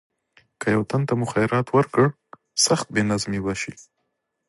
که یو تن ته مو خیرات ورکړ سخت بې نظمي به شي.